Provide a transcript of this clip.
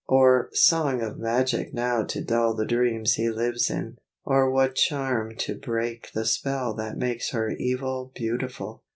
or song of magic now to dull The dreams he lives in! or what charm to break The spell that makes her evil beautiful!